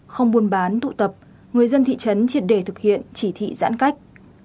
không buôn bán tụ tập người dân thị trấn triệt đề thực hiện chỉ thị giãn cách